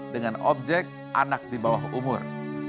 dengan objek anak di bawah umur